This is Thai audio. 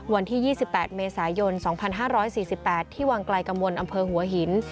วันที่๒๘เมษายน๒๕๔๘ที่วังไกลกังวลอำเภอหัวหิน